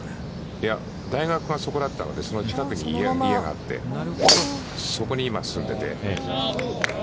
大学がそこだったので、その近くに家があって、そこに今、住んでて。